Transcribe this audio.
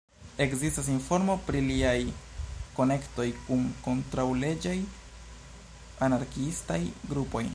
Ekzistas informo pri liaj konektoj kun kontraŭleĝaj anarkiistaj grupoj.